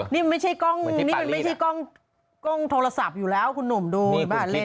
นี่มันไม่ใช่กล้องโทรศัพท์อยู่แล้วคุณหนุ่มดูเล่นอย่างนี้